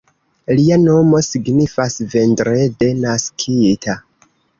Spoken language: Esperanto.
Lia nomo signifas "vendrede naskita.